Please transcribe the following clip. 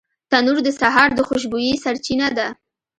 تنور د سهار د خوشبویۍ سرچینه ده